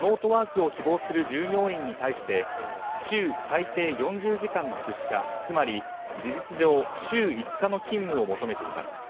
マスク氏が幹部社員に送ったメールにはリモートワークを希望する従業員に対して週最低４０時間の出社つまり、事実上週５日の勤務を求めています。